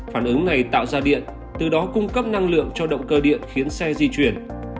phản ứng ngày tạo ra điện từ đó cung cấp năng lượng cho động cơ điện khiến xe di chuyển